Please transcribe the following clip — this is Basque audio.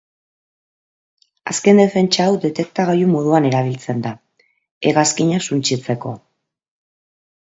Azken defentsa hau detektagailu moduan erabiltzen da, hegazkinak suntsitzeko.